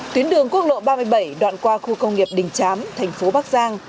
tuyến đường quốc lộ ba mươi bảy đoạn qua khu công nghiệp đình chám thành phố bắc giang